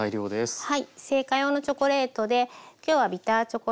はい。